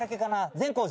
善光寺。